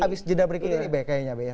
habis jendela berikutnya ini baik baiknya ya